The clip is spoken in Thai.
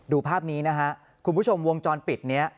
ภาพนี้นะฮะคุณผู้ชมวงจรปิดนี้